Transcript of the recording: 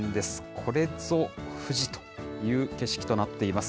これぞ富士という景色となっています。